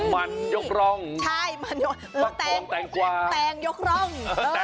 ปล๊ากล้องแตนกว่าแตงโยกร่อง